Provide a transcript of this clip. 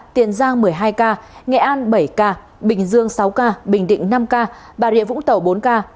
tiền giang một mươi hai ca nghệ an bảy ca bình dương sáu ca bình định năm ca bà rịa vũng tàu bốn ca